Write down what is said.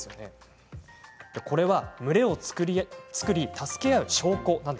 これは群れを作り助け合う証拠。